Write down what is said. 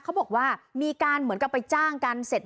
เขาบอกว่ามีการเหมือนกับไปจ้างกันเสร็จ